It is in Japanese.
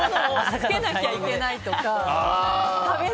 食べなきゃいけないとか。